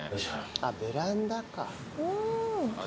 あっベランダか。